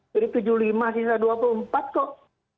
jadi tujuh puluh lima sisa dua puluh empat kok